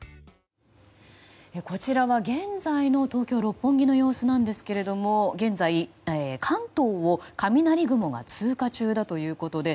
こちらは現在の東京六本木の様子なんですけれども現在、関東を雷雲が通過中だということで